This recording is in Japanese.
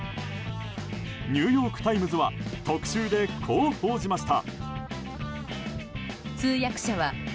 ニューヨーク・タイムズは特集でこう報じました。